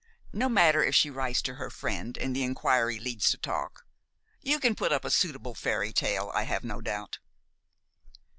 No matter if she writes to her friend and the inquiry leads to talk. You can put up a suitable fairy tale, I have no doubt."